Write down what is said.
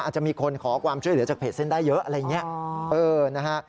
อาจจะมีคนขอความช่วยเหลือจากเพจเส้นได้เยอะอะไรอย่างนี้